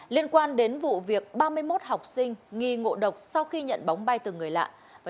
liên quan đến vụ việc ba mươi một học sinh nghi ngộ độc sau khi nhận bóng bay từ người lạ